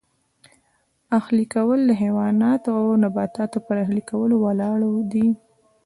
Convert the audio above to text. اهلي کول د حیواناتو او نباتاتو پر اهلي کولو ولاړ دی